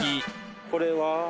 これは？